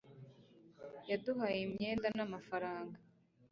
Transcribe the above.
yaduhaye imyenda, n'amafaranga